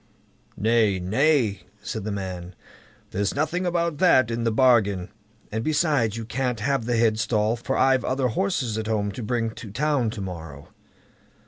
"Nay, nay!" said the man, "there's nothing about that in the bargain; and besides, you can't have the headstall, for I've other horses at home to bring to town to morrow."